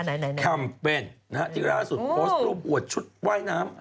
อันไหนคำเป็นนะฮะที่ร้านสุดโฟสต์รูปอวดชุดว่ายน้ำ